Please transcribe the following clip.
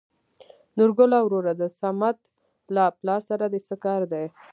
نورګله وروره د سمد له پلار سره د څه کار دى ؟